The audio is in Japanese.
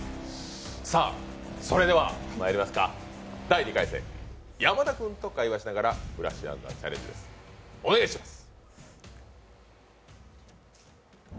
それではまいりますか第２回戦、山田君と会話しながらフラッシュ暗算チャレンジですお願いします。